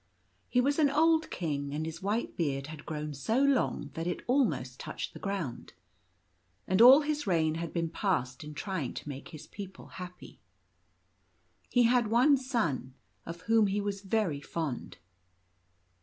He was an old king, and his white beard had grown so long that it almost touched the ground ; and all his reign had been passed in trying to make his people happy. He had one son, of whom he was very fond.